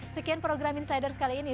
sekian program insiders kali ini